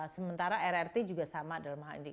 sementara rrt juga sama dalam hal ini